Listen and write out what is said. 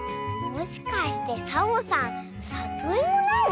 もしかしてサボさんさといもなの？